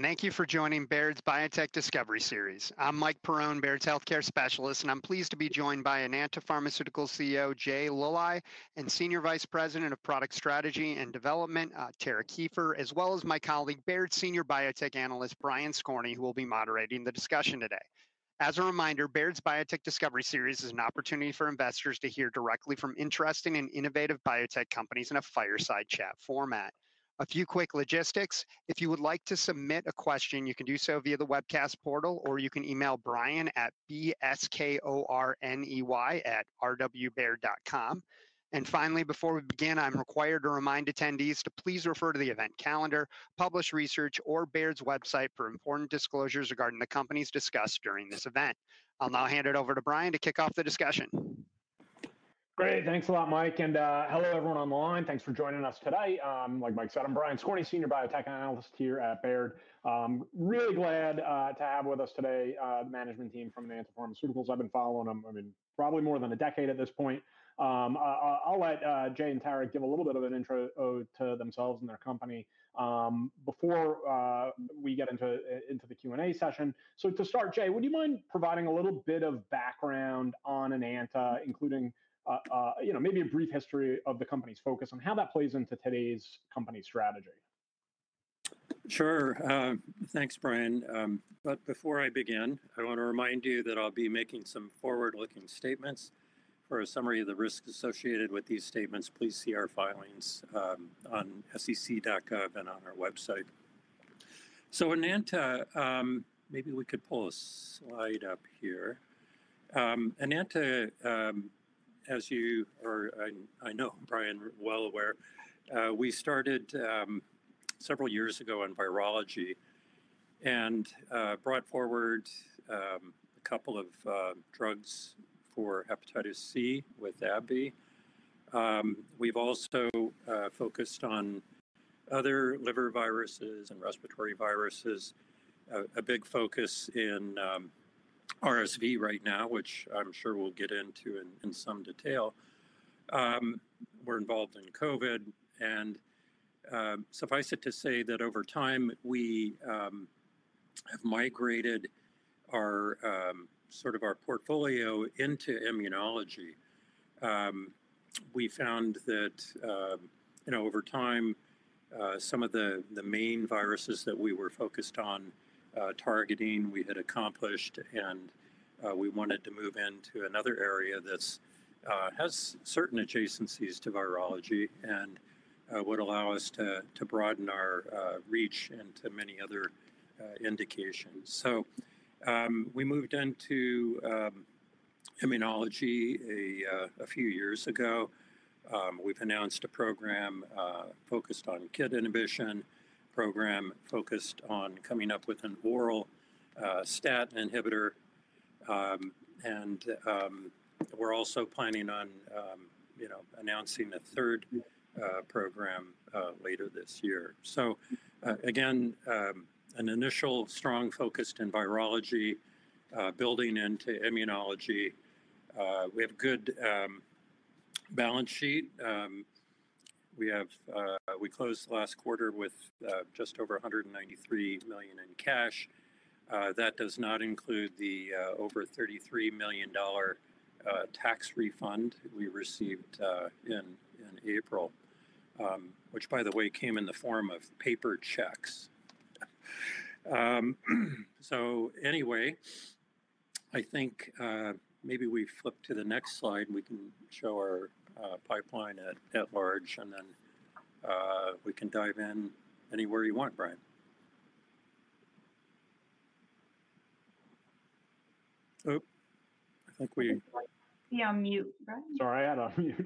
Thank you for joining Baird's Biotech Discovery Series. I'm Mike Perrone, Baird's Healthcare Specialist, and I'm pleased to be joined by Enanta Pharmaceuticals, CEO Jay Luly and Senior Vice President of Product Strategy and Development Tara Kieffer, as well as my colleague Baird Senior Biotech Analyst Brian Skorney, who will be moderating the discussion today. As a reminder, Baird's Biotech Discovery Series is an opportunity for investors to hear directly from interesting and innovative biotech companies in a fireside chat format. A few quick logistics: if you would like to submit a question, you can do so via the webcast portal or you can email Brian at bskorney@rwbaird.com. Finally, before we begin, I'm required to remind attendees to please refer to the event calendar, published research, or Baird's website for important disclosures regarding the companies discussed during this event. I'll now hand it over to Brian to kick off the discussion. Great. Thanks a lot, Mike. Hello everyone online. Thanks for joining us today. Like Mike said, I'm Brian Skorney, Senior Biotech Analyst here at Baird. Really glad to have with us today the management team from Enanta Pharmaceuticals. I've been following them, I mean, probably more than a decade at this point. I'll let Jay and Tara give a little bit of an intro to themselves and their company before we get into the Q&A session. To start, Jay, would you mind providing a little bit of background on Enanta, including, you know, maybe a brief history of the company's focus on how that plays into today's company strategy? Sure. Thanks, Brian. Before I begin, I want to remind you that I'll be making some forward-looking statements. For a summary of the risks associated with these statements, please see our filings on SEC.gov and on our website. Maybe we could pull a slide up here. As you or I know, Brian, well aware, we started several years ago on virology and brought forward a couple of drugs for hepatitis C with AbbVie. We've also focused on other liver viruses and respiratory viruses. A big focus in RSV right now, which I'm sure we'll get into in some detail. We're involved in Covid, and suffice it to say that over time we have migrated our sort of our portfolio into immunology. We found that over time some of the main viruses that we were focused on targeting we had accomplished, and we wanted to move into another area. This has certain adjacencies to virology and would allow us to broaden our reach into many other indications. We moved into immunology a few years ago. We've announced a program focused on KIT inhibition, a program focused on coming up with an oral STAT inhibitor, and we're also planning on, you know, announcing a third program later this year. Again, an initial strong focus in virology building into immunology. We have a good balance sheet. We closed last quarter with just over $193 million in cash. That does not include the over $33 million tax refund we received in April, which, by the way, came in the form of paper checks. I think maybe we flip to the next slide and we can show our pipeline at large and then we can dive in anywhere you want, Brian. I think we. Yeah, on mute, Brian. Sorry, I had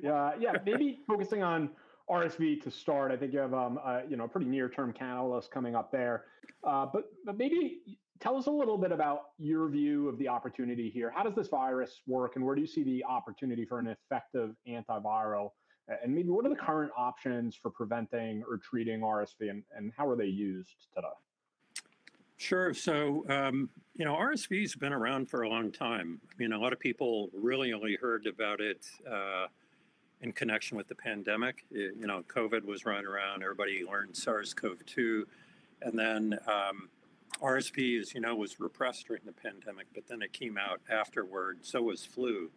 you on mute. Maybe focusing on RSV to start, I think you have a pretty near-term catalyst coming up there. Maybe tell us a little bit about your view of the opportunity here. How does this virus work, and where do you see the opportunity for an effective antiviral? What are the current options for preventing or treating RSV, and how are they used today? Sure. RSV has been around for a long time. A lot of people really only heard about it in connection with the pandemic. COVID was running around. Everybody learned SARS-CoV-2 and then RSV, as you know, was repressed during the pandemic, but then it came out afterward. Flu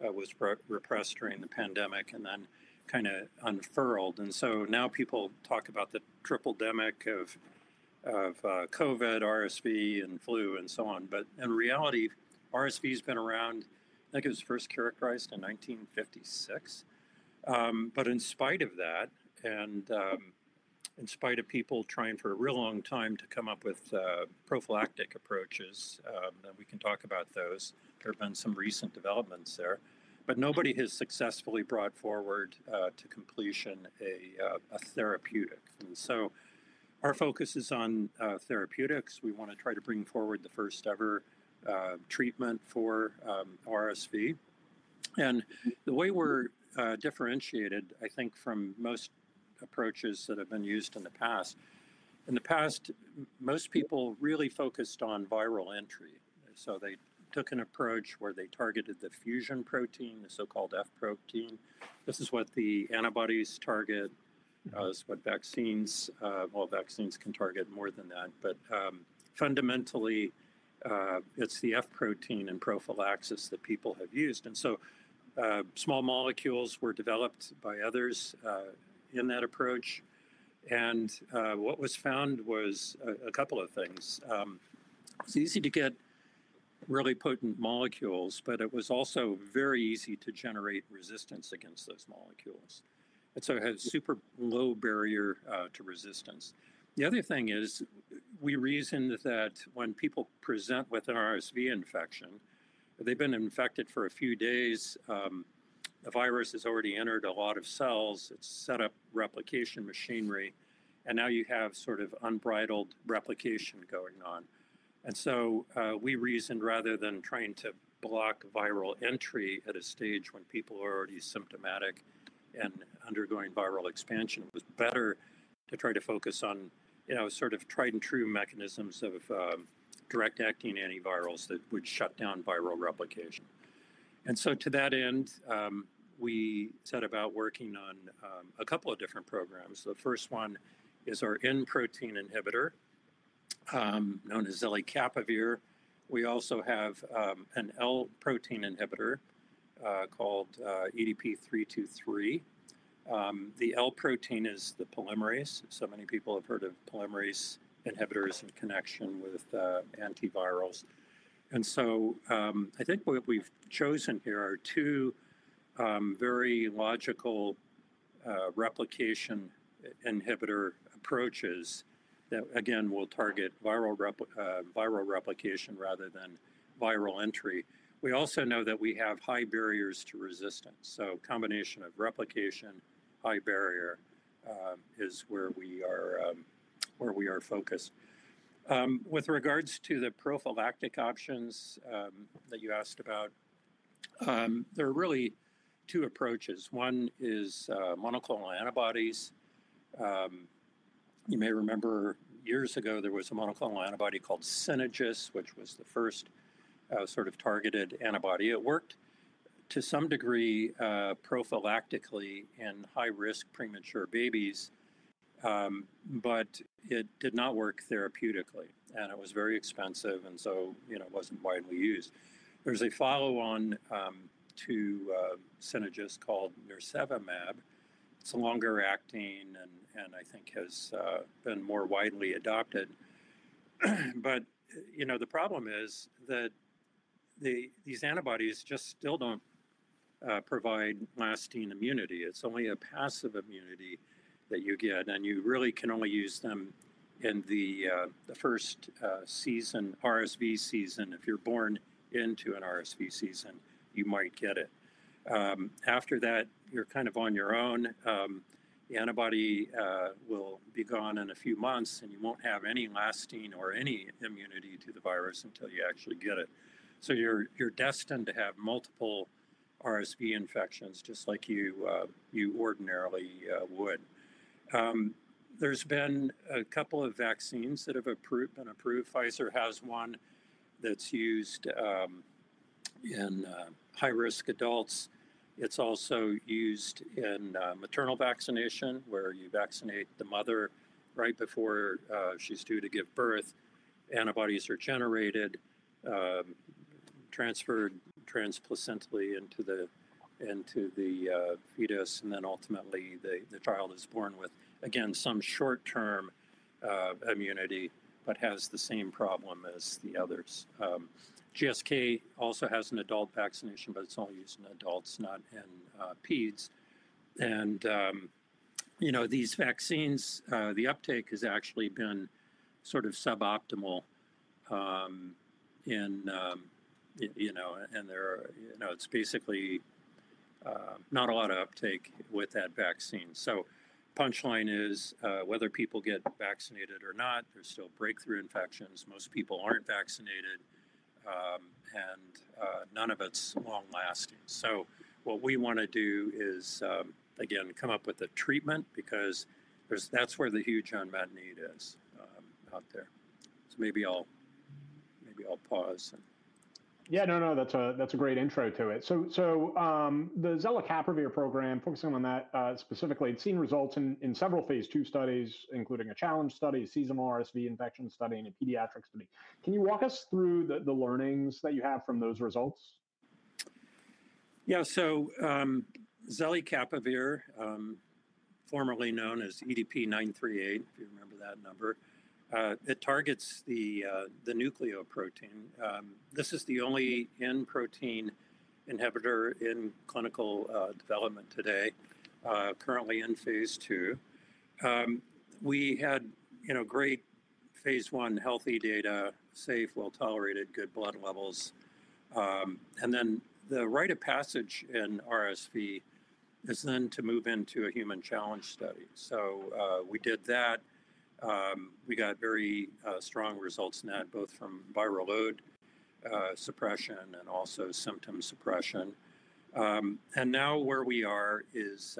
was repressed during the pandemic and then kind of unfurled. Now people talk about the triple demic of COVID, RSV, and flu and so on. In reality, RSV has been around. I think it was first characterized in 1956. In spite of that, and in spite of people trying for a real long time to come up with prophylactic approaches, and we can talk about those, there have been some recent developments there, but nobody has successfully brought forward to completion a therapeutic. Our focus is on therapeutics. We want to try to bring forward the first ever treatment for RSV. The way we're differentiated, I think, from most approaches that have been used in the past: in the past, most people really focused on viral entry. They took an approach where they targeted the fusion protein, the so-called F protein. This is what the antibodies target. This is what vaccines—well, vaccines can target more than that, but fundamentally it's the F protein and prophylaxis that people have used, and small molecules were developed by others in that approach. What was found was a couple of things. It's easy to get really potent molecules, but it was also very easy to generate resistance against those molecules, so it had a super low barrier to resistance. The other thing is we reasoned that when people present with an RSV infection, they've been infected for a few days, the virus has already entered a lot of cells, it's set up replication machinery, and now you have sort of unbridled replication going on. We reasoned rather than trying to block viral entry at a stage when people are already symptomatic and undergoing viral expansion, it was better to try to focus on sort of tried and true mechanisms of direct acting antivirals that would shut down viral replication. To that end, we set about working on a couple of different programs. The first one is our N-protein inhibitor known as zelicaprevir. We also have an L-protein inhibitor called EDP-323. The L-protein is the polymerase. Many people have heard of polymerase inhibitors in connection with antivirals. I think what we've chosen here are two very logical replication inhibitor approaches that again will target viral replication rather than viral entry. We also know that we have high barriers to resistance. Combination of replication, high barrier is where we are, where we are focused. With regards to the prophylactic options that you asked about, there are really two approaches. One is monoclonal antibodies. You may remember years ago there was a monoclonal antibody called Synagis which was the first sort of targeted antibody. It worked to some degree prophylactically in high risk premature babies, but it did not work therapeutically and it was very expensive and it wasn't widely used. There's a follow-on to Synagis called nirsevimab. It's longer acting and I think has been more widely adopted. The problem is that these antibodies just still don't provide lasting immunity. It's only a passive immunity that you get and you really can only use them in the first season, RSV season. If you're born into an RSV season, you might get it. After that you're kind of on your own. The antibody will be gone in a few months and you won't have any lasting or any immunity to the virus until you actually get it. You're destined to have multiple RSV infections just like you ordinarily would. There's been a couple of vaccines that have approved. Pfizer has one that's used in high risk adults. It's also used in maternal vaccination where you vaccinate the mother right before she's due to give birth. Antibodies are generated, transferred transplacentally into the fetus, and then ultimately the child is born with again, some short term immunity, but has the same problem as the others. GSK also has an adult vaccination, but it's only used in adults, not in peds. These vaccines, the uptake has actually been sort of suboptimal and there's basically not a lot of uptake with that vaccine. Punchline is whether people get vaccinated or not, there's still breakthrough infections. Most people aren't vaccinated and none of it's long lasting. What we want to do is again come up with a treatment because that's where the huge unmet need is out there. Maybe I'll pause. Yeah, no, that's a great intro to it. The zelicapavir program, focusing on that specifically, it's seen results in several phase II studies, including a challenge study, seasonal RSV infection study, and a pediatric study. Can you walk us through the learnings that you have from those results? Yeah. So zelicaprevir, formerly known as EDP-938, if you remember that number, it targets the nucleoprotein. This is the only N-protein inhibitor in clinical development today. Currently in phase II, we had great phase I healthy data, safe, well tolerated, good blood levels. The rite of passage in RSV is then to move into a human challenge study. We did that. We got very strong results in that, both from viral load suppression and also symptom suppression. Now where we are is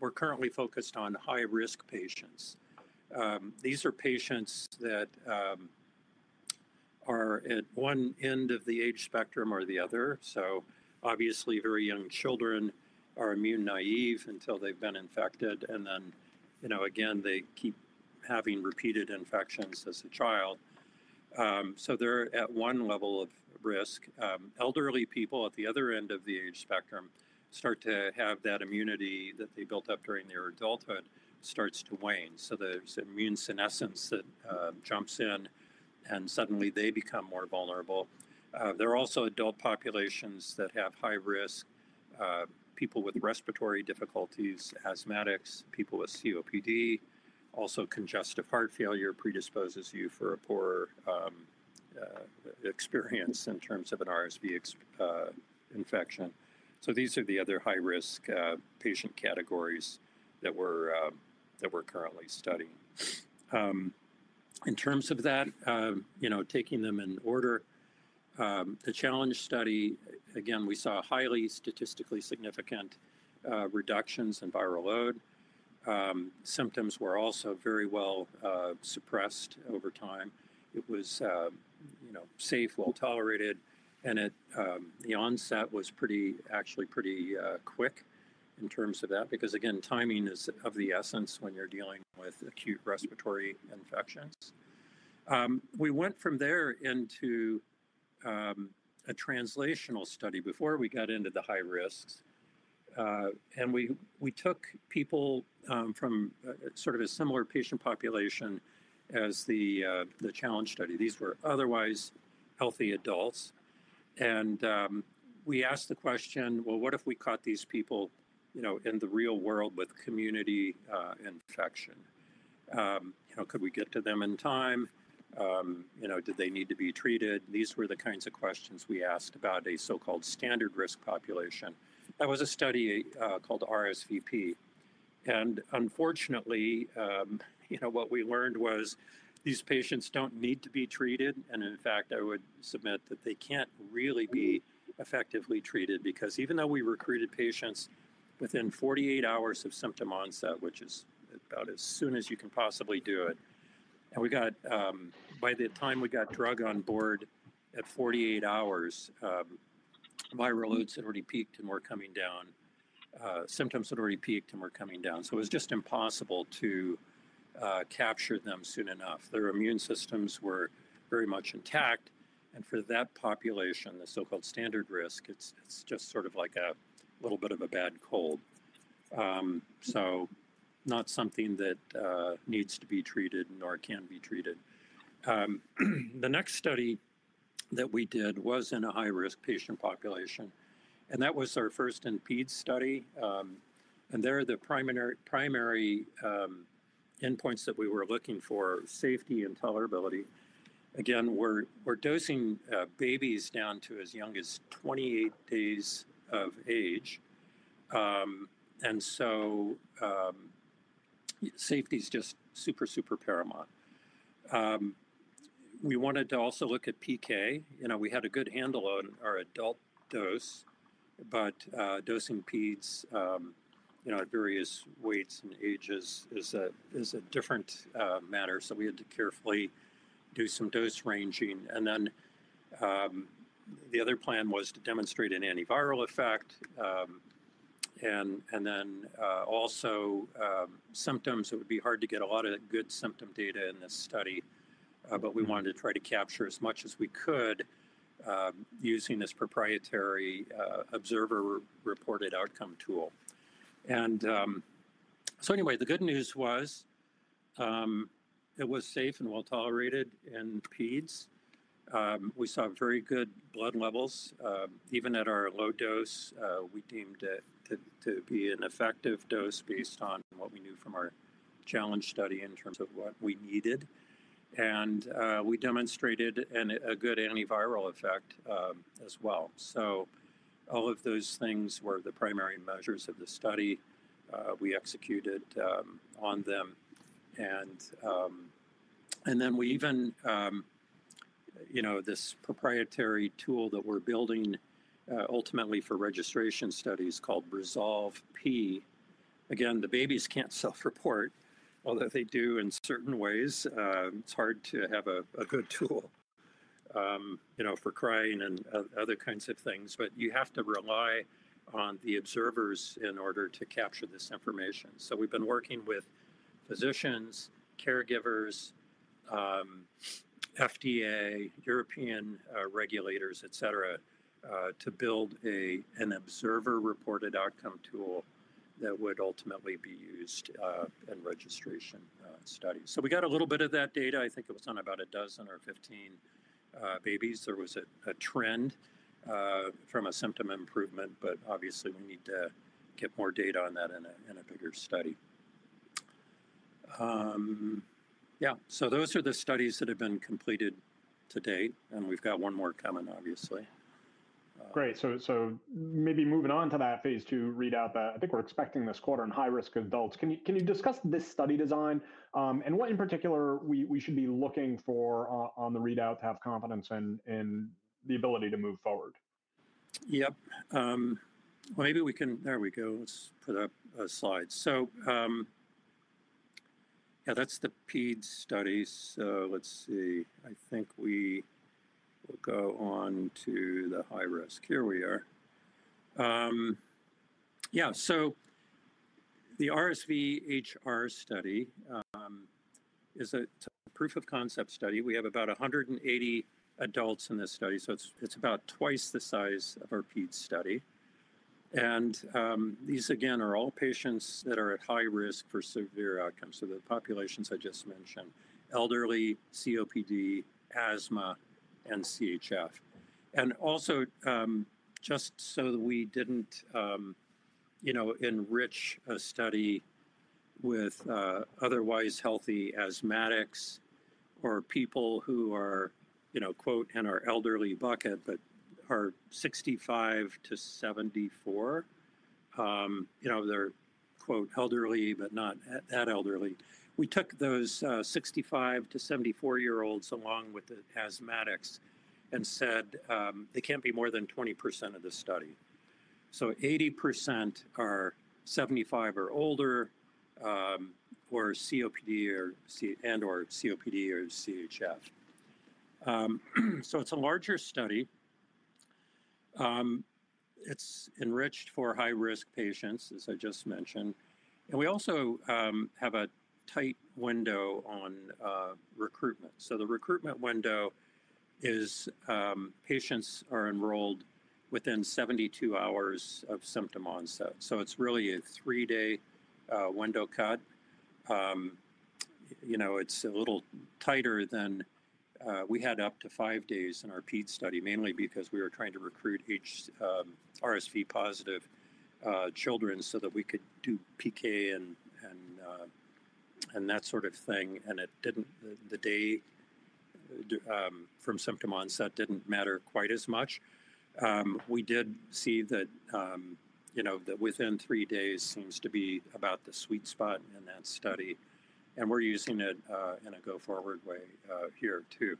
we're currently focused on high risk patients. These are patients that are at one end of the age spectrum or the other. Obviously, very young children are immune naive until they've been infected. Again, they keep having repeated infections as a child, so they're at one level of risk. Elderly people at the other end of the age spectrum start to have that immunity that they built up during their adulthood start to wane. There's immune senescence that jumps in and suddenly they become more vulnerable. There are also adult populations that have high risk, people with respiratory difficulties, asthmatics, people with COPD. Also, congestive heart failure predisposes you for a poor experience in terms of an RSV infection. These are the other high risk patient categories that we're currently studying. In terms of that, taking them in order, the challenge study, again, we saw highly statistically significant reductions in viral load. Symptoms were also very well suppressed over time. It was safe, well tolerated, and the onset was actually pretty quick in terms of that because timing is of the essence when you're dealing with acute respiratory infections. We went from there into a translational study before we got into the high risks. We took people from sort of a similar patient population as the challenge study. These were otherwise healthy adults. We asked the question, what if we caught these people in the real world with community infection, could we get to them in time, did they need to be treated? These were the kinds of questions we asked about a so-called standard risk population. That was a study called RSVP. Unfortunately, what we learned was these patients don't need to be treated. In fact, I would submit that they can't really be effectively treated because even though we recruited patients within 48 hours of symptom onset, which is about as soon as you can possibly do it, and we got, by the time we got drug on board at 48 hours, viral loads had already peaked and were coming down. Symptoms had already peaked and were coming down, so it was just impossible to capture them soon enough. Their immune systems were very much intact. For that population, the so-called standard risk, it's just sort of like a little bit of a bad cold, so not something that needs to be treated nor can be treated. The next study that we did was in a high-risk patient population and that was our first IMPEDE study. The primary endpoints that we were looking for were safety and tolerability. We were dosing babies down to as young as 28 days of age, and so safety is just super, super paramount. We wanted to also look at PK. We had a good handle on our adult dose, but dose in peds at various weights and ages is a different matter. We had to carefully do some dose ranging. The other plan was to demonstrate an antiviral effect and then also symptoms. It would be hard to get a lot of good symptom data in this study, but we wanted to try to capture as much as we could using this proprietary observer-reported outcome tool. The good news was it was safe and well tolerated in peds. We saw very good blood levels even at our low dose. We deemed it to be an effective dose based on what we knew from our challenge study in terms of what we needed, and we demonstrated a good antiviral effect as well. All of those things were the primary measures of the study. We executed on them, and then we even used this proprietary tool that we're building ultimately for registration studies called RESOLVE P. The babies can't self-report, although they do in certain ways. It's hard to have a good tool for crying and other kinds of things, but you have to rely on the observers in order to capture this information. We've been working with physicians, caregivers, FDA, European regulators, et cetera, to build an observer-reported outcome tool that would ultimately be used in registration studies. We got a little bit of that data. I think it was on about a dozen or 15 babies. There was a trend from a symptom improvement, but obviously we need to get more data on that in a bigger study. Those are the studies that have been completed to date and we've got one more coming, obviously. Great. Maybe moving on to that phase II readout that I think we're expecting this quarter in high risk adults. Can you discuss this study design and what in particular we should be looking for on the readout to have confidence in the ability to move forward? Maybe we can. There we go. Let's put up a slide. That's the PEDE studies. Let's see. I think we will go on to the high risk. Here we are. The RSV HR study is a proof of concept study. We have about 180 adults in this study, so it's about twice the size of our PEDE study. These again are all patients that are at high risk for severe outcomes. The populations I just mentioned: elderly, COPD, asthma, and CHF. Also, just so that we didn't enrich a study with otherwise healthy asthmatics or people who are, you know, quote, in our elderly bucket but are 65-74, you know, they're quote, elderly, but not that elderly, we took those 65-74 year olds along with the asthmatics and said they can't be more than 20% of the study. 80% are 75 or older for COPD or CHF. It's a larger study, it's enriched for high risk patients, as I just mentioned. We also have a tight window on recruitment. The recruitment window is patients are enrolled within 72 hours of symptom onset. It's really a three day window cut. It's a little tighter than we had, up to five days in our PED study, mainly because we were trying to recruit H RSV positive children so that we could do PK and that sort of thing. The day from symptom onset didn't matter quite as much. We did see that within three days seems to be about the sweet spot in that study, and we're using it in a go forward way here too.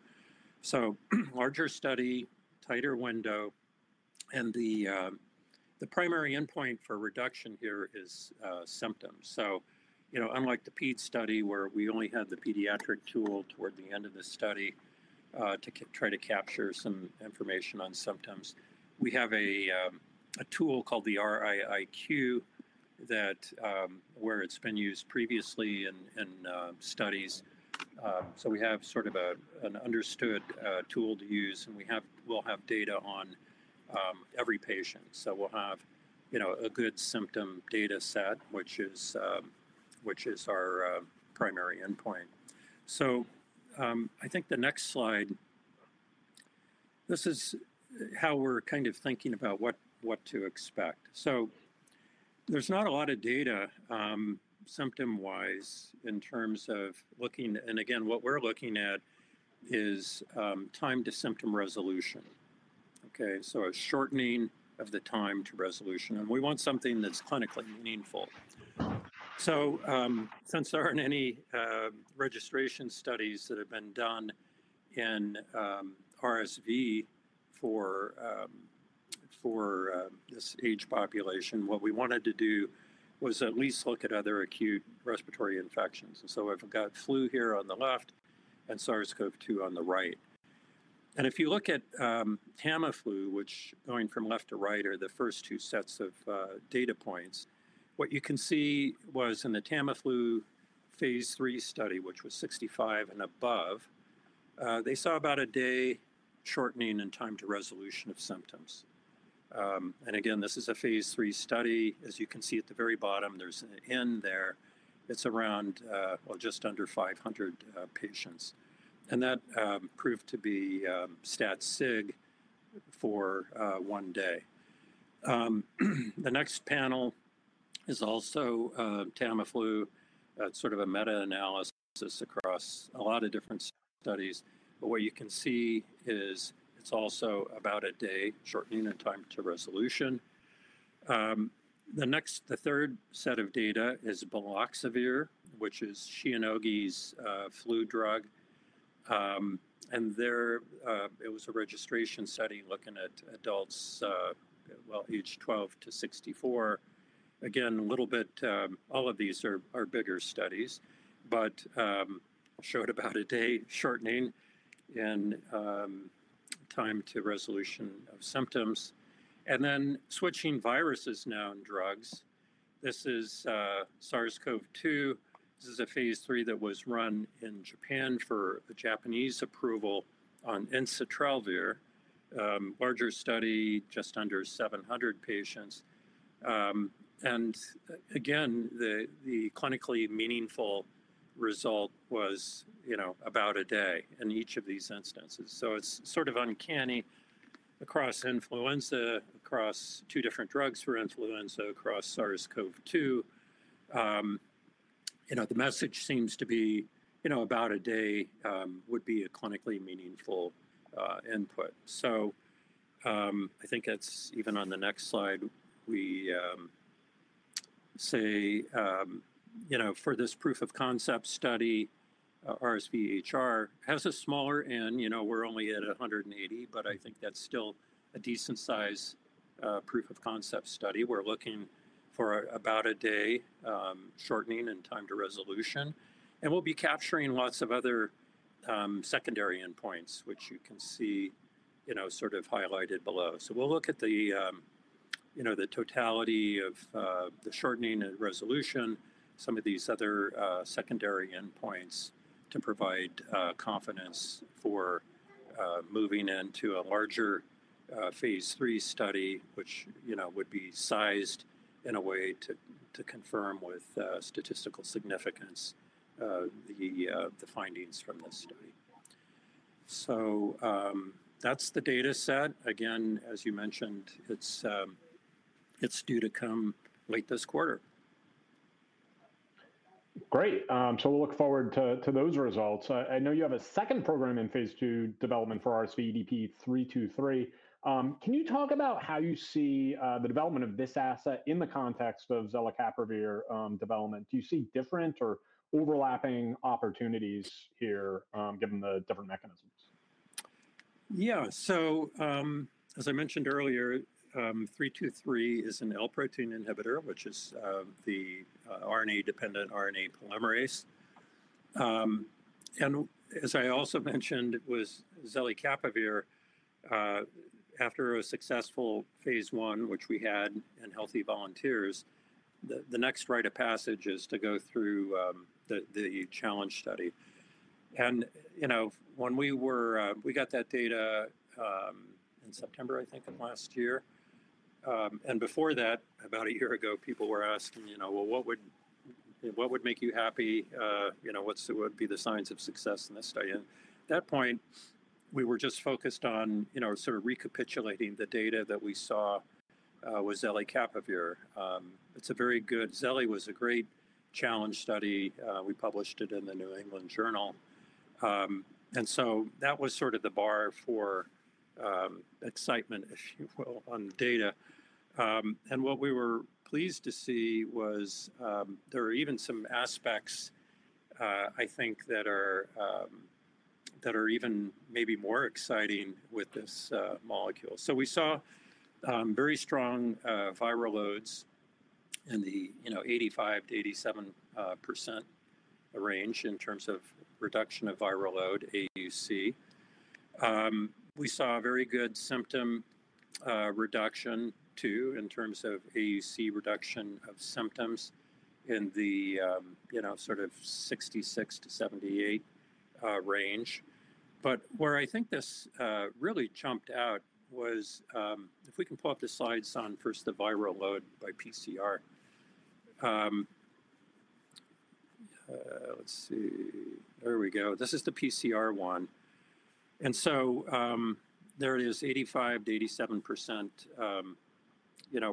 Larger study, tighter window. The primary endpoint for reduction here is symptoms. Unlike the peds study where we only had the pediatric tool toward the end of the study to try to capture some information on symptoms, we have a tool called the RIIQ where it's been used previously in studies. We have sort of an understood tool to use, and we will have data on every patient. We'll have a good symptom data set, which is our primary endpoint. I think the next slide. This is how we're kind of thinking about what to expect. There's not a lot of data symptom wise in terms of looking. What we're looking at is time to symptom resolution. A shortening of the time to resolution, and we want something that's clinically meaningful. Since there aren't any registration studies that have been done in RSV for this age population, what we wanted to do was at least look at other acute respiratory infections. I've got flu here on the left and SARS-CoV-2 on the right. If you look at Tamiflu, which going from left to right are the first two sets of data points, what you can see was in the Tamiflu phase III study, which was 65 and above, they saw about a day shortening in time to resolution of symptoms. This is a phase III study. As you can see at the very bottom there's an N there, it's around, well, just under 500 patients. That proved to be stat sig for one day. The next panel is also Tamiflu, sort of a meta-analysis across a lot of different studies. What you can see is it's also about a day shortening in time to resolution. The third set of data is Baloxavir, which is Shionogi's flu drug. There it was a registration study looking at adults, age 12-64. All of these are bigger studies, but showed about a day shortening in time to resolution of symptoms. Switching viruses now, this is SARS-CoV-2. This is a phase III that was run in Japan for the Japanese approval on nirmatrelvir, larger study, just under 700 patients. The clinically meaningful result was about a day in each of these instances. It's sort of uncanny across influenza, across two different drugs for influenza, across SARS-CoV-2, the message seems to be about a day would be a clinically meaningful input. I think that's even on the next slide. For this proof of concept study, RSV HR has a smaller n. We're only at 180, but I think that's still a decent size proof of concept study. We're looking for about a day shortening in time to resolution. We'll be capturing lots of other secondary endpoints which you can see highlighted below. We'll look at the totality of the shortening and resolution, some of these other secondary endpoints to provide confidence for moving into a larger phase III study which would be sized in a way to confirm with statistical significance the findings from this study. That's the data set. As you mentioned, it's due to come late this quarter. Great. We'll look forward to those results. I know you have a second program in phase II development for RSV, EDP-323. Can you talk about how you see the development of this asset in the context of zelicaprevir development? Do you see different or overlapping opportunities here given the different mechanisms? Yeah. As I mentioned earlier, EDP-323 is an L-protein inhibitor, which is the RNA-dependent RNA polymerase. As I also mentioned, it was zelicaprevir. After a successful phase I, which we had in healthy volunteers, the next rite of passage is to go through the challenge study. We got that data in September, I think last year, and before that, about a year ago, people were asking, you know, what would make you happy, what would be the signs of success in this study? At that point, we were just focused on sort of recapitulating the data that we saw with zelicaprevir. It's a very good—zeli was a great challenge study. We published it in the New England Journal. That was sort of the bar for excitement, if you will, on data. What we were pleased to see was there are even some aspects, I think, that are even maybe more exciting with this molecule. We saw very strong viral loads in the 85%-87% range in terms of reduction of viral load. AUC, we saw a very good symptom reduction too in terms of AUC reduction of symptoms in the sort of 66%-78% range. Where I think this really jumped out was if we can pull up the slides on first the viral load by PCR. Let's see, there we go. This is the PCR one. There it is, 85%-87%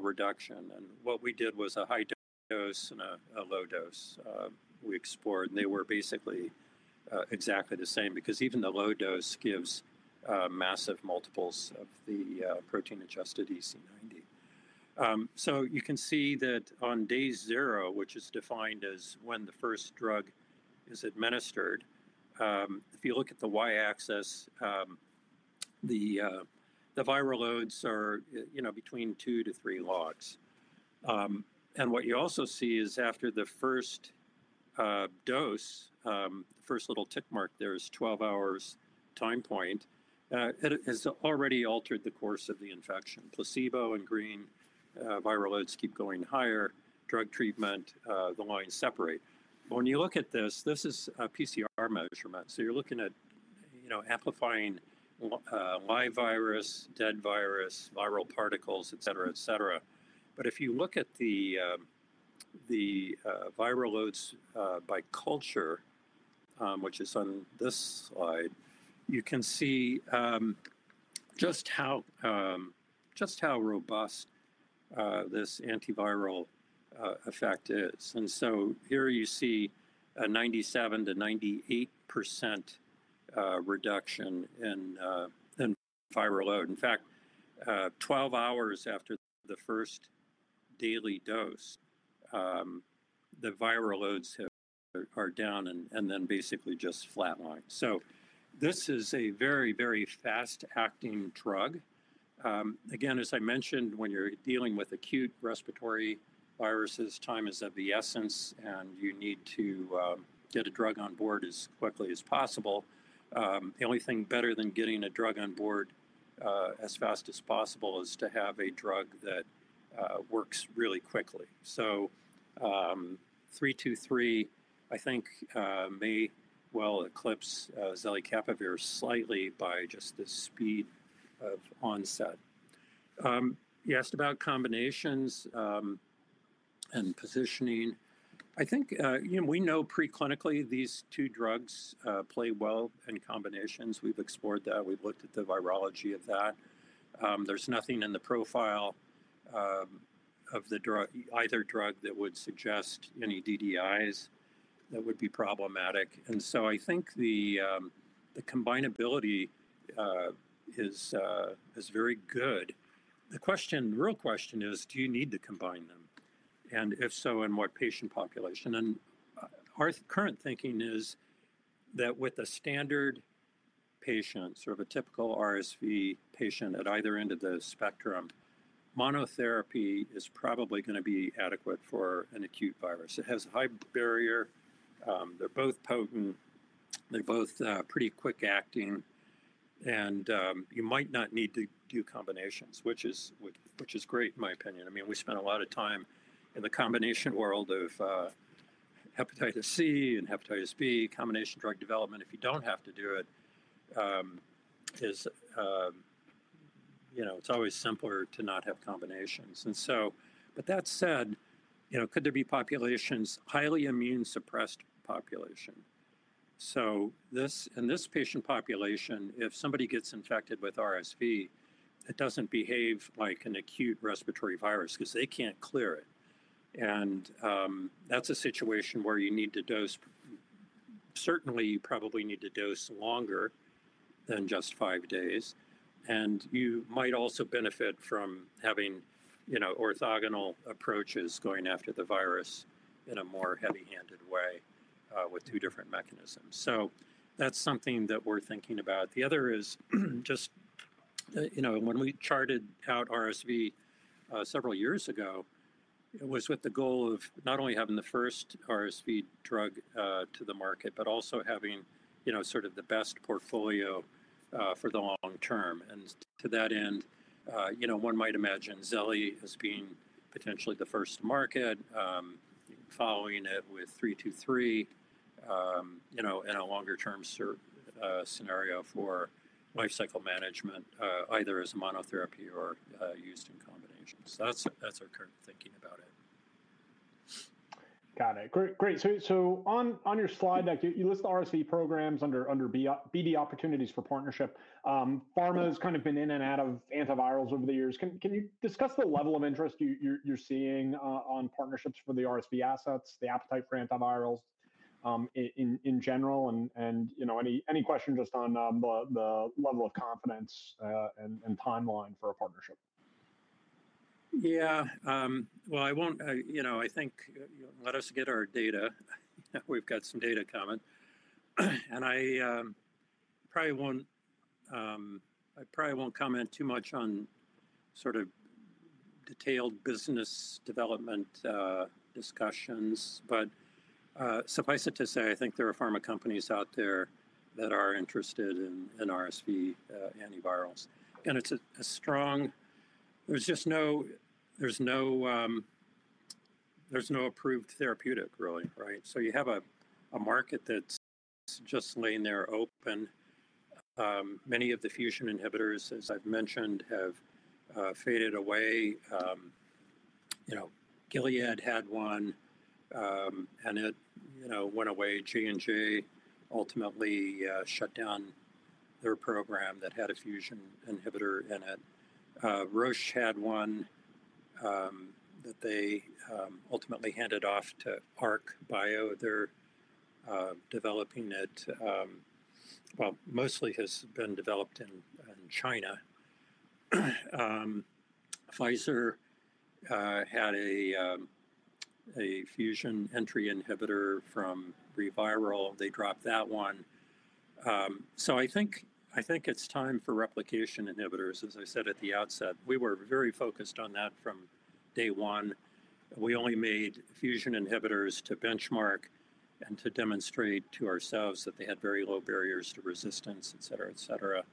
reduction. What we did was a high dose and a low dose we explored. They were basically exactly the same because even the low dose gives massive multiples of the protein-adjusted EC90. You can see that on day zero, which is defined as when the first drug is administered, if you look at the y-axis, the viral loads are between two to three logs. What you also see is after the first dose, first little tick mark there is 12 hours time point, it has already altered the course of the infection. Placebo in green. Viral loads keep going higher. Drug treatment, the lines separate. When you look at this, this is a PCR measurement, so you're looking at amplifying live virus, dead virus, viral particles, et cetera, et cetera. If you look at the viral loads by culture, which is on this slide, you can see just how robust this antiviral effect is. Here you see a 97%-98% reduction in viral load. In fact, 12 hours after the first daily dose, the viral loads are down and then basically just flatline. This is a very, very fast-acting drug. Again, as I mentioned, when you're dealing with acute respiratory viruses, time is of the essence and you need to get a drug on board as quickly as possible. The only thing better than getting a drug on board as fast as possible is to have a drug that works really quickly. So EDP-323 I think may well eclipse zelicaprevir slightly by just the speed of onset. You asked about combinations and positioning. I think, you know, we know preclinically these two drugs play well in combinations. We've explored that, we've looked at the virology of that. There's nothing in the profile of the drug, either drug, that would suggest any DDIs that would be problematic. I think the combinability is very good. The real question is do you need to combine them and if so, in what patient population? Our current thinking is that with a standard patient, sort of a typical RSV patient at either end of the spectrum, monotherapy is probably going to be adequate for an acute virus. It has a high barrier, they're both potent, they're both pretty quick acting and you might not need to do combinations, which is great in my opinion. I mean, we spent a lot of time in the combination world of hepatitis C and hepatitis B. Combination drug development, if you don't have to do it, is, you know, it's always simpler to not have combinations. That said, you know, could there be populations, highly immune suppressed population, so this, in this patient population, if somebody gets infected with RSV, it doesn't behave like an acute respiratory virus because they can't clear it. That's a situation where you need to dose, certainly you probably need to dose longer than just five days. You might also benefit from having, you know, orthogonal approaches going after the virus in a more heavy handed way with two different mechanisms. That's something that we're thinking about. The other is just, you know, when we charted out RSV several years ago, it was with the goal of not only having the first RSV drug to the market, but also having, you know, sort of the best portfolio for the long term. To that end, you know, one might imagine zeli has being potentially the first to market, following it with EDP-323, you know, in a longer term scenario for life cycle management, either as monotherapy or used in combination. That's our current thinking about it. Got it. Great. On your slide you list the RSV programs under BD opportunities for partnership. Pharma has kind of been in and out of antivirals over the years. Can you discuss the level of interest you're seeing on partnerships for the RSV assets, the appetite for antivirals in general, and any question just on the level of confidence and timeline for a partnership? Yeah, I think, let us get our data, we've got some data coming. I probably won't comment too much on sort of detailed business development discussions, but suffice it to say I think there are pharma companies out there that are interested in RSV antivirals. It's a strong, there's just no, there's no approved therapeutic really. Right. You have a market that's just laying there open. Many of the fusion inhibitors, as I've mentioned, have faded away. Gilead had one and it went away. J&J ultimately shut down their program that had a fusion inhibitor in it. Roche had one that they ultimately handed off to Arc Bio. They're developing it. Mostly has been developed in China. Pfizer had a fusion entry inhibitor from ReViral. They dropped that one. I think it's time for replication inhibitors. As I said at the outset, we were very focused on that from day one. We only made fusion inhibitors to benchmark and to demonstrate to ourselves that they had very low barriers to resistance, et cetera, et cetera.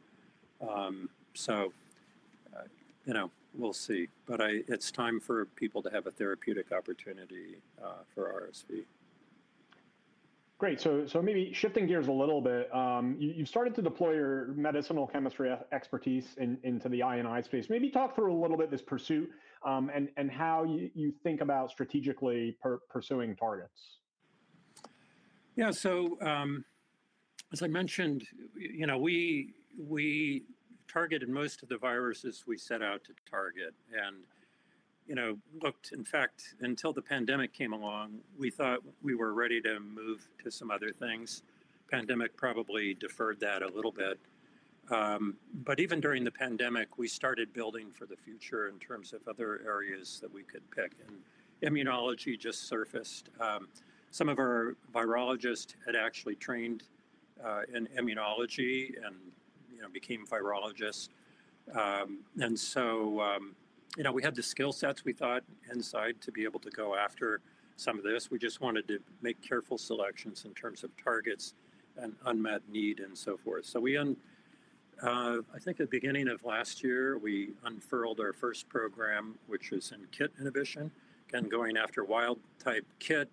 We'll see. I think it's time for people to have a therapeutic opportunity for RSV. Great. Maybe shifting gears a little bit, you've started to deploy your medicinal chemistry expertise into the INI space. Maybe talk through a little bit this pursuit and how you think about strategically pursuing targets. Yeah, as I mentioned, we targeted most of the viruses we set out to target and, you know, looked, in fact, until the pandemic came along, we thought we were ready to move to some other things. The pandemic probably deferred that a little bit. Even during the pandemic, we started building for the future in terms of other areas that we could pick. Immunology just surfaced. Some of our virologists had actually trained in immunology and, you know, became virologists. We had the skill sets we thought inside to be able to go after some of this. We just wanted to make careful selections in terms of targets and unmet need and so forth. I think at the beginning of last year we unfurled our first program, which is in KIT inhibition, again going after wild type KIT,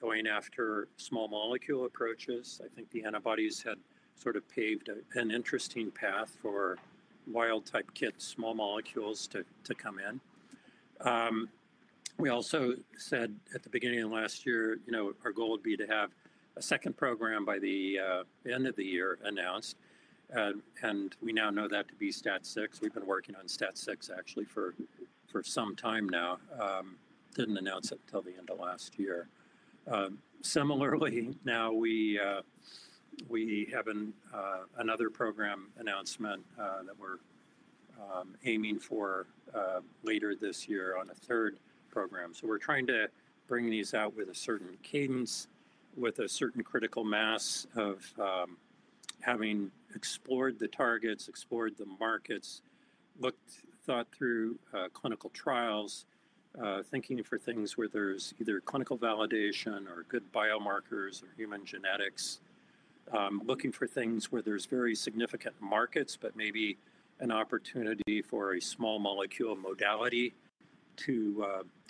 going after small molecule approaches. I think the antibodies had sort of paved an interesting path for wild type KIT, small molecules to come in. We also said at the beginning of last year, you know, our goal would be to have a second program by the end of the year announced. We now know that to be STAT6. We've been working on STAT6 actually for some time now, didn't announce it till the end of last year. Similarly, now we have another program announcement that we're aiming for later this year on a third program. We're trying to bring these out with a certain cadence, with a certain critical mass of having explored the targets, explored the markets, thought through clinical trials, thinking for things where there's either clinical validation or good biomarkers or human genetics, looking for things where there's very significant markets, but maybe an opportunity for a small molecule modality to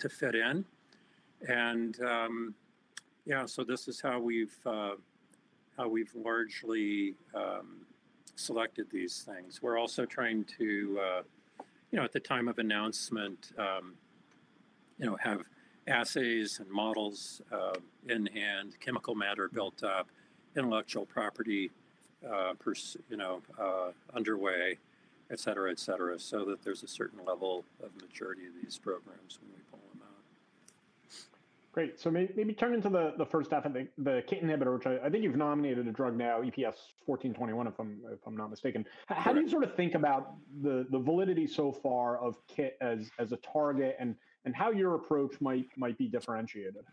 fit in. This is how we've largely selected these things. We're also trying to, at the time of announcement, have assays and models in hand, chemical matter built up, intellectual property underway, et cetera, so that there's a certain level of maturity of these programs when we pull them out. Great. Maybe turn into the first half of the KIT inhibitor, which I think you've nominated a drug now, EPS-1421, if I'm not mistaken. How do you sort of think about the validity so far of KIT as a target and how your approach might be differentiated?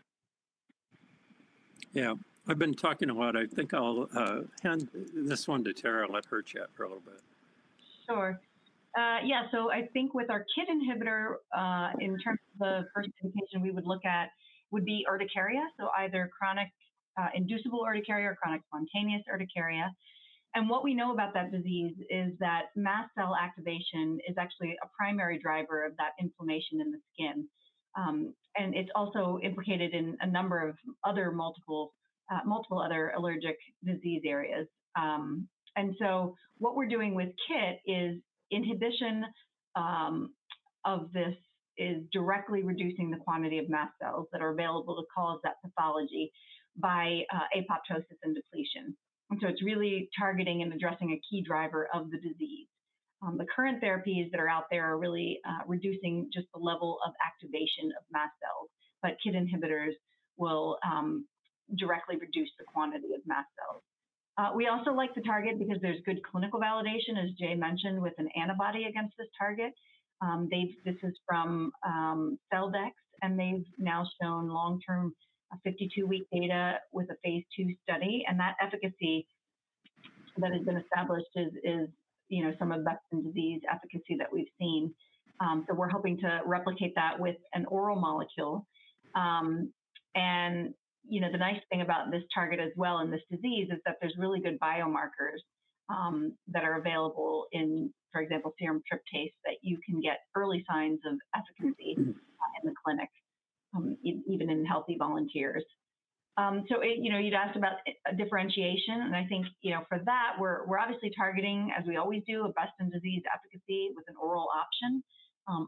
Yeah, I've been talking a lot. I think I'll hand this one to Tara, let her chat for a little bit. Sure. Yeah. I think with our KIT inhibitor, in terms of the, we would look at would be urticaria, so either chronic inducible urticaria or chronic spontaneous urticaria. What we know about that disease is that mast cell activation is actually a primary driver of that inflammation in the skin, and it's also implicated in a number of other, multiple, multiple other allergic disease areas. What we're doing with KIT is inhibition of this is directly reducing the quantity of mast cells that are available to cause that pathology by apoptosis and depletion. It's really targeting and addressing a key driver of the disease. The current therapies that are out there are really reducing just the level of activation of mast cells, but KIT inhibitors will directly reduce the quantity of mast cells. We also like the target because there's good clinical validation, as Jay mentioned, with an antibody against this target. This is from Feldex, and they've now shown long-term 52-week data with a phase II study. That efficacy that has been established is some of the best disease efficacy that we've seen. We're hoping to replicate that with an oral molecule. The nice thing about this target as well in this disease is that there's really good biomarkers that are available in, for example, serum tryptase, that you can get early signs of as a croupy in the clinic, even in healthy volunteers. You'd asked about differentiation, and I think, for that, we're obviously targeting, as we always do, a best-in-disease efficacy with an oral option,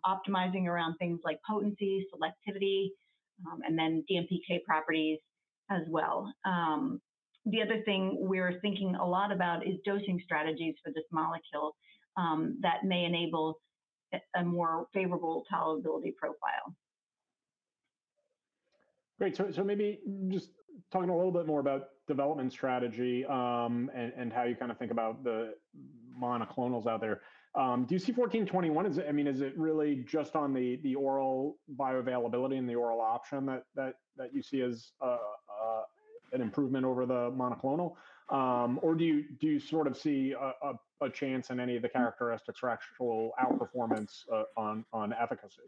optimizing around things like potency, selectivity, and then DMPK properties as well. The other thing we're thinking a lot about is dosing strategies for this molecule that may enable a more favorable tolerability profile. Great. So maybe just talking a little bit more about development strategy and how you kind of think about the monoclonals out there. Do you see 1421? I mean, is it really just on the oral bioavailability and the oral option that you see as an improvement over the monoclonal, or do you sort of see a chance in any of the characteristics for actual outperformance on efficacy?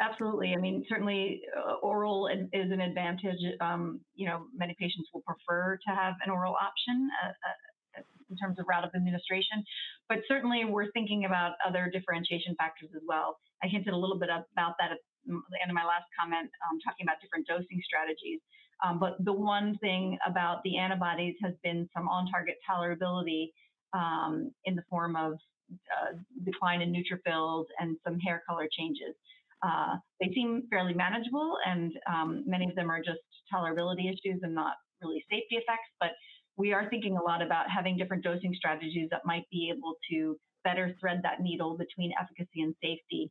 Absolutely. I mean, certainly oral is an advantage. Many patients will prefer to have an oral option in terms of route of administration, but certainly we're thinking about other differentiation factors as well. I hinted a little bit about that at the end of my last comment talking about different dosing strategies. The one thing about the antibodies has been some on target tolerability in the form of decline in neutrophils and some hair color changes. They seem fairly manageable and many of them are just tolerability issues and not really safety effects. We are thinking a lot about having different dosing strategies that might be able to better thread that needle between efficacy and safety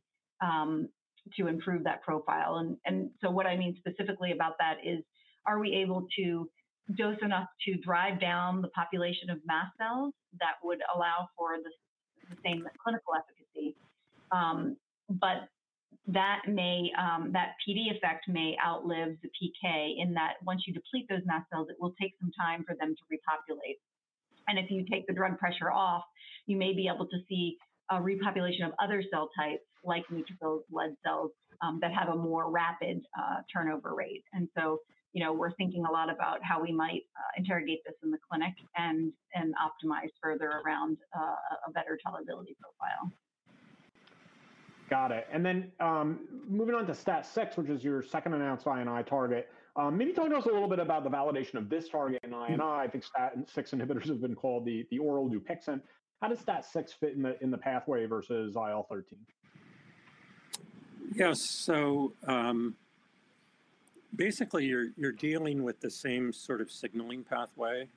to improve that profile. What I mean specifically about that is, are we able to dose enough to drive down the population of mast cells that would allow for the same clinical efficacy, but that PD effect may outlive the PK in that once you deplete those mast cells, it will take some time for them to repopulate. If you take the drug pressure off, you may be able to see a repopulation of other cell types like neutrophil blood cells that have a more rapid turnover rate. We're thinking a lot about how we might interrogate this in the clinic and optimize further around a better tolerability profile. Got it. Moving on to STAT6, which is your second announced INI target, maybe talk to us a little bit about the validation of this target and INI. I think STAT6 inhibitors have been called the oral dupixent. How does STAT6 fit in the pathway versus IL-13? Yes. Basically, you're dealing with the same sort of signaling pathway.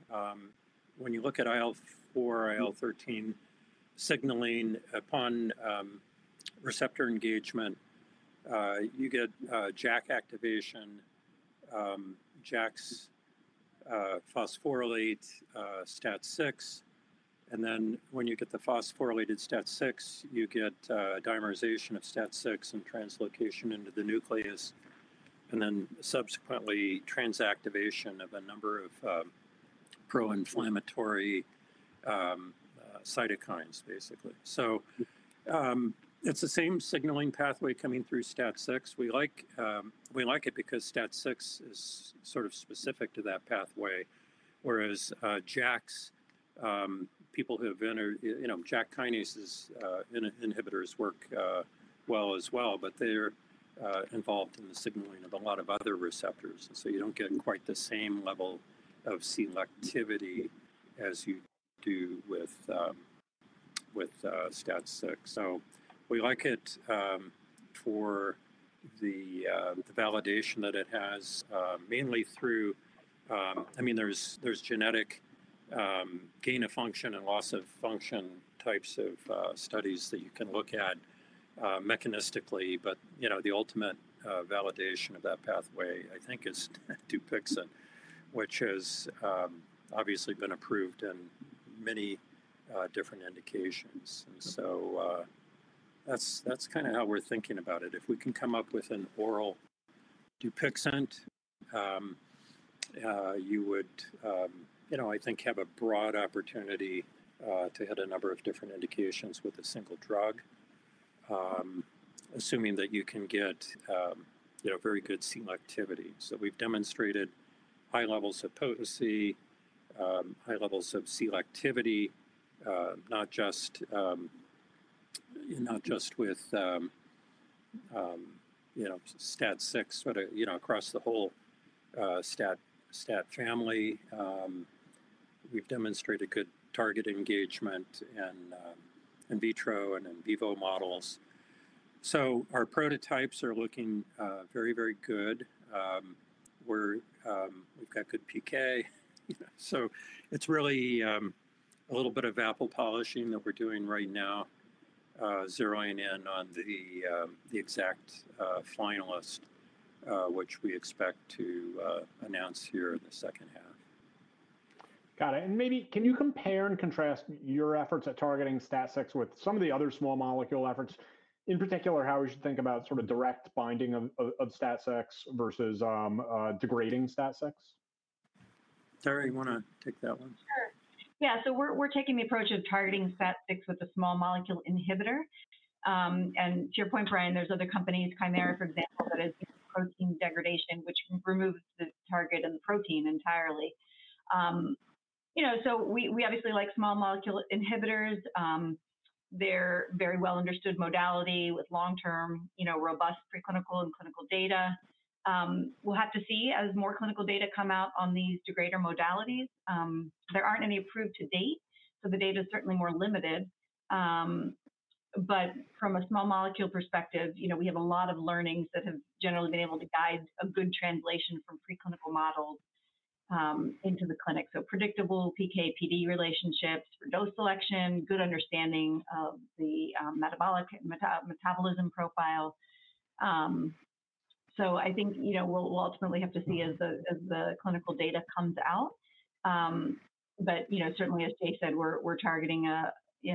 When you look at IL-4/IL-13 signaling, upon receptor engagement, you get JAK activation, JAKs phosphorylate STAT6, and then when you get the phosphorylated STAT6, you get dimerization of STAT6 and translocation into the nucleus and then subsequently transactivation of a number of pro-inflammatory cytokines, basically. It's the same signaling pathway coming through STAT6. We like it because STAT6 is sort of specific to that pathway. Whereas JAKs, people who have entered, you know, JAK kinase inhibitors work well as well, but they're involved in the signaling of a lot of other receptors. You don't get quite the same level of selectivity as you do with STAT6. We like it for the validation that it has mainly through, I mean, there's genetic gain of function and loss of function types of studies that you can look at mechanistically. The ultimate validation of that pathway, I think, is Dupixent, which has obviously been approved in many different indications. That's kind of how we're thinking about it. If we can come up with an oral Dupixent, you would, you know, I think, have a broad opportunity to hit a number of different indications with a single drug, assuming that you can get, you know, very good selectivity. We've demonstrated high levels of potency, high levels of selectivity, not just with, you know, STAT6, but, you know, across the whole STAT family, we've demonstrated good target engagement in in vitro and in vivo models. Our prototypes are looking very, very good where we've got good PK. It's really a little bit of apple polishing that we're doing right now, zeroing in on the exact finalist which we expect to announce here in the second half. Got it. Maybe can you compare and contrast your efforts at targeting STAT6 with some of the other small molecule efforts? In particular, how we should think about sort of direct binding of STAT6 versus degrading STAT6. Tara, you want to take that one? Yeah. We're taking the approach of targeting STAT6 with a small molecule inhibitor. To your point, Brian, there's other companies, Kymera for example, that is protein degradation, which removes the target and the protein entirely. We obviously like small molecule inhibitors. They're a very well understood modality with long-term, robust preclinical and clinical data. We'll have to see as more clinical data come out on these degrader modalities. There aren't any approved to date, so the data is certainly more limited. From a small molecule perspective, we have a lot of learnings that have generally been able to guide a good translation from preclinical models into the clinic. Predictable PK/PD relationships for dose selection, good understanding of the metabolism profile. I think we'll ultimately have to see as the clinical data comes out. Certainly, as Jay said, we're targeting a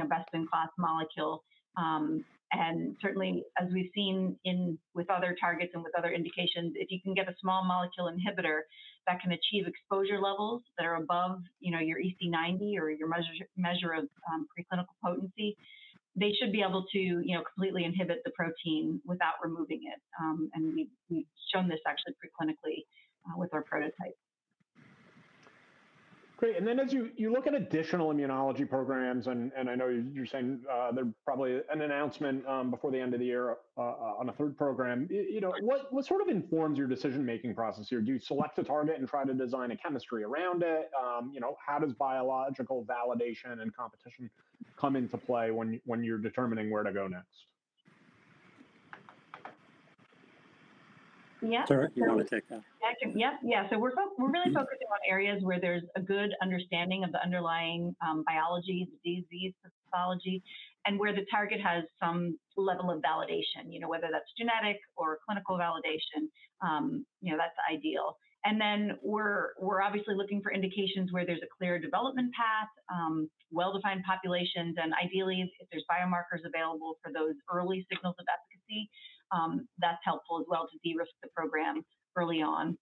best-in-class molecule. Certainly as we've seen with other targets and with other indications, if you can get a small molecule inhibitor that can achieve exposure levels that are above your EC90 or your measure of preclinical potency, they should be able to completely inhibit the protein without removing it. We've shown this actually preclinically with our prototype. Great. As you look at additional immunology programs, and I know you're saying there's probably an announcement before the end of the year on a third program, what sort of informs your decision making process here? Do you select a target and try to design a chemistry around it? How does biological validation and competition come into play when you're determining where to go next? Yeah, you want to take that? Yeah, yeah. We're really focusing on areas where there's a good understanding of the underlying biology, disease pathology, and where the target has some level of validation, you know, whether that's genetic or clinical validation, that's ideal. We're obviously looking for indications where there's a clear development path, well-defined populations, and ideally, if there's biomarkers available for those early signals of efficacy, that's helpful as well to de-risk the program early on.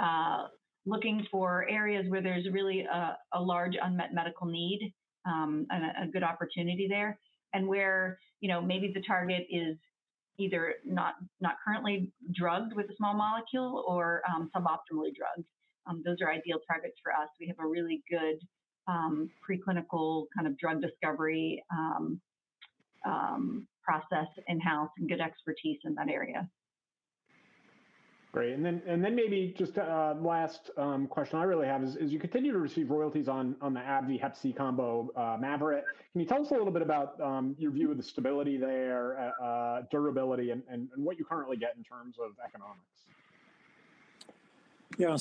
We're looking for areas where there's really a large unmet medical need and a good opportunity there and where, you know, maybe the target is either not currently drugged with a small molecule or suboptimally drugged. Those are ideal targets for us. We have a really good preclinical kind of drug discovery process in house and good expertise in that area. Great. Maybe just last question I really have is you continue to receive royalties on the AbbVie Hep C combo, Mavyret. Can you tell us a little bit about your view of the stability there, durability, and what you currently get in terms of economics? Yeah.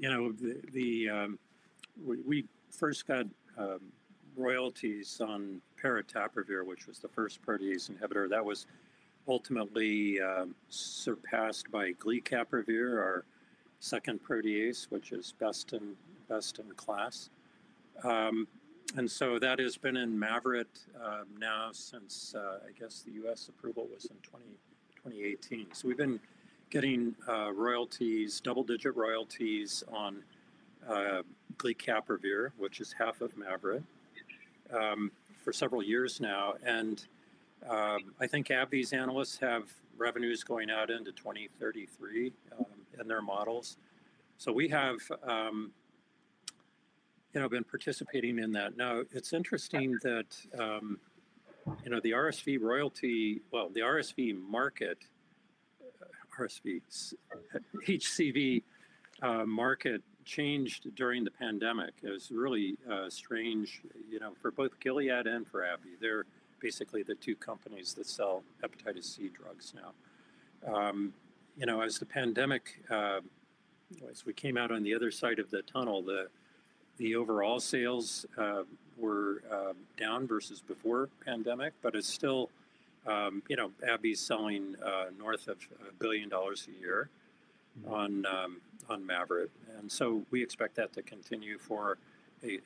You know, we first got royalties on paritaprevir, which was the first protease inhibitor that was ultimately surpassed by glecaprevir, our second protease, which is best in class. That has been in Mavyret now since, I guess, the U.S. approval was in 2017, 2018. We've been getting royalties, double-digit royalties on glecaprevir, which is half of MAVIRET, for several years now. I think AbbVie's analysts have revenues going out into 2033 in their models. We have been participating in that now. It's interesting, the HCV market changed during the pandemic. It was really strange for both Gilead and for AbbVie. They're basically the two companies that sell hepatitis C drugs now. As we came out on the other side of the tunnel, the overall sales were down versus before the pandemic. It's still, you know, AbbVie's selling north of $1 billion a year on MAVIRET, and we expect that to continue for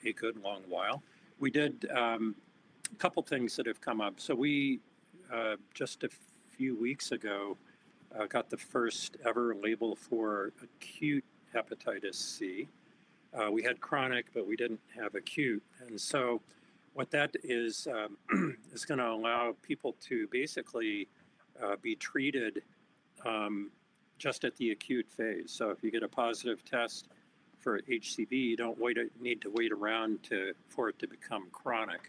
a good long while. A couple things have come up. Just a few weeks ago, we got the first ever label for acute hepatitis C. We had chronic, but we didn't have acute. What that is going to allow is for people to basically be treated just at the acute phase. If you get a positive test for HCV, you don't need to wait around for it to become chronic.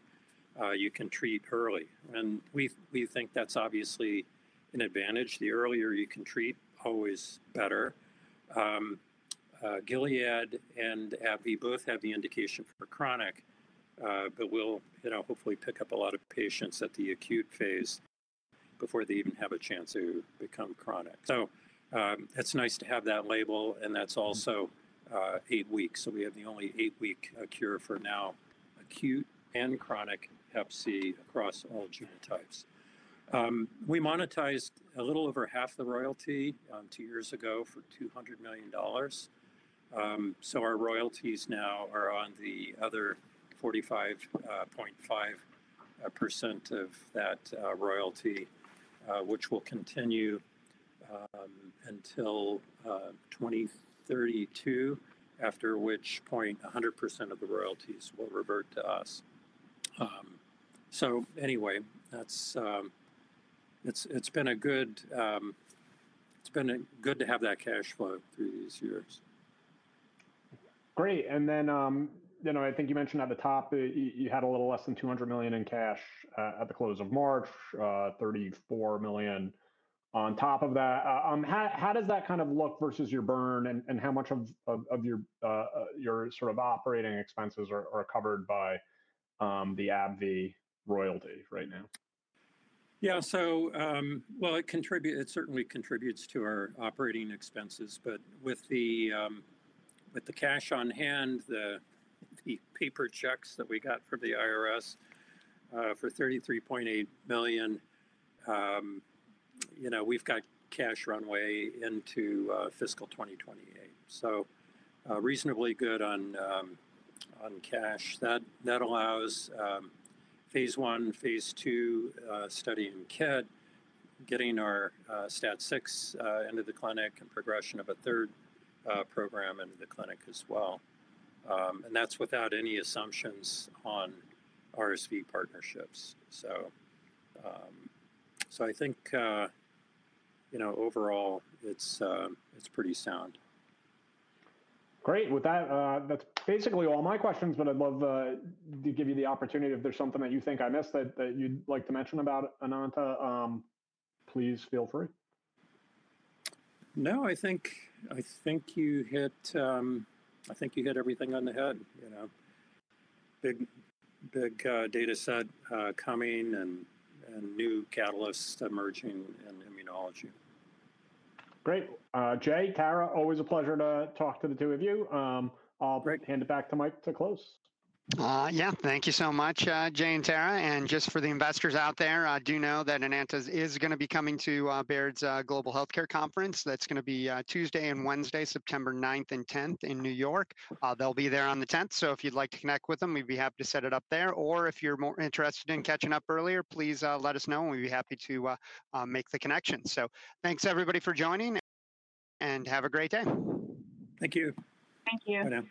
You can treat early, and we think that's obviously an advantage. The earlier you can treat, always better. Gilead and AbbVie both have the indication for chronic, but we'll hopefully pick up a lot of patients at the acute phase before they even have a chance to become chronic. It's nice to have that label. That's also eight weeks. We have the only eight-week cure for now, acute and chronic Hep C across all genotypes. We monetized a little over half the royalty two years ago for $200 million. Our royalties now are on the other 45.5% of that royalty, which will continue until 2032, after which point 100% of the royalties will revert to us. It's been good to have that cash flow through these years. Great. I think you mentioned at the top you had a little less than $200 million in cash at the close of March. $34 million on top of that. How does that kind of look versus your burn, and how much of your operating expenses are covered by the AbbVie royalty right now? Yeah, it certainly contributes to our operating expenses. With the cash on hand, the paper checks that we got from the IRS for $33.8 million, you know, we've got cash runway into fiscal 2028. So reasonably good on cash. That allows phase I, phase II study in KIT, getting our STAT6 into the clinic, and progression of a third program into the clinic as well. That's without any assumptions on RSV partnerships. I think, you know, overall it's. It’s pretty sound great with that. That’s basically all my questions. I’d love to give you the opportunity if there’s something that you think I missed that you’d like to mention about Enanta, please feel free. I think you hit everything on the head. Big data set coming and new catalysts emerging in immunology. Great. Jay, Tara, always a pleasure to talk to the two of you all. Great. Hand it back to Mike to close. Thank you so much, Jay and Tara. Just for the investors out there, do know that Enanta is going to be coming to Baird's Global Healthcare Conference. That is going to be Tuesday and Wednesday, September 9th and 10th, in New York. They'll be there on the 10th. If you'd like to connect with them, we'd be happy to set it up there. If you're more interested in catching up earlier, please let us know and we'd be happy to make the connection. Thanks everybody for joining and have a great day. Thank you. Thank you.